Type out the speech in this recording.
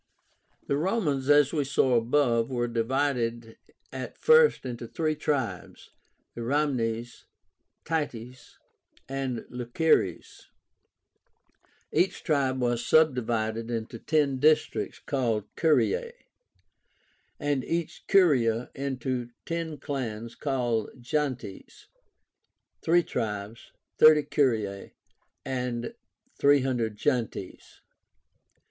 The Romans, as we saw above, were divided at first into three tribes, Ramnes, Tities, and Luceres Each tribe was subdivided into ten districts called CURIAE, and each curia into ten clans called GENTES (3 tribes, 30 curiae, and 300 gentes).